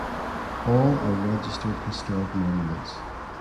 All are registered historic monuments.